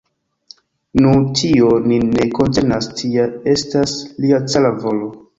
Nu, tio nin ne koncernas, tia estas lia cara volo!